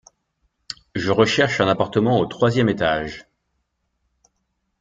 Je recherche un appartement au troisième étage.